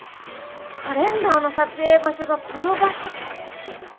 カレンダーの撮影場所がこの場所っていうのは。